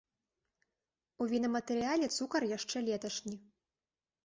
У вінаматэрыяле цукар яшчэ леташні.